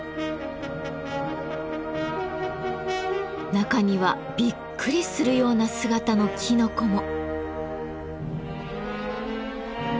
中にはびっくりするような姿のきのこも。